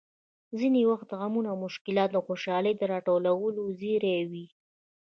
ځینې وخت غمونه او مشکلات د خوشحالۍ د راتلو زېری وي!